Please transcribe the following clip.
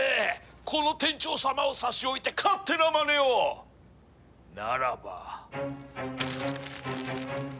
このテンチョウ様を差し置いて勝手なまねを！ならば。